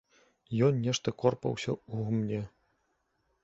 Ён нешта корпаўся ў гумне.